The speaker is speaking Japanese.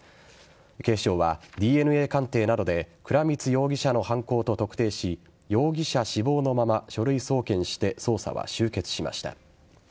警視庁はＤＮＡ鑑定などで倉光容疑者の犯行と特定し容疑者死亡のまま書類送検して捜査は終結しました。